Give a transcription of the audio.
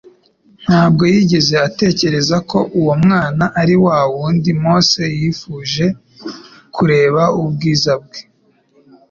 Ntabwo yigeze atekereza ko uwo mwana ari wa wundi Mose yifuje kureba ubwiza bwe.